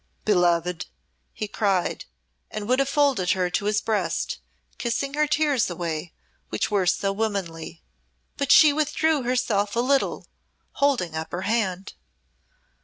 "Beloved!" he cried, and would have folded her to his breast, kissing her tears away which were so womanly. But she withdrew herself a little holding up her hand.